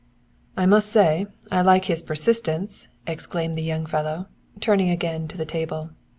"I must say I like his persistence!" exclaimed the young fellow, turning again to the table.